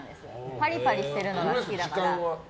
パリパリしているのが好きだから。